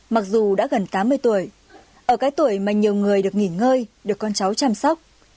mặc dù đã gần tám mươi tuổi ở cái tuổi mà nhiều người được nghỉ ngơi được con cháu chăm sóc